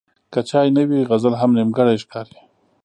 که چای نه وي، غزل هم نیمګړی ښکاري.